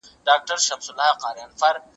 زه هره ورځ د زده کړو تمرين کوم!